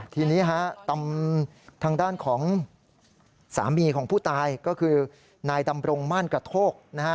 ทีนี้ฮะทางด้านของสามีของผู้ตายก็คือนายดำรงม่านกระโทกนะฮะ